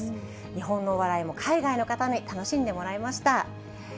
日本のお笑いも海外の方に楽しんでもらいました。